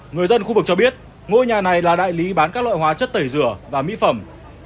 người dân khu vực cho biết ngôi nhà này là đại lý bán các loại hóa chất tẩy rửa và mỹ phẩm